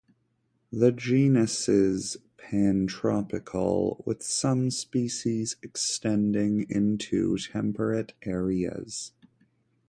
The genus is pantropical, with some species extending into temperate areas.